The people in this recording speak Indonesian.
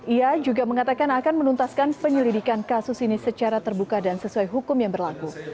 ia juga mengatakan akan menuntaskan penyelidikan kasus ini secara terbuka dan sesuai hukum yang berlaku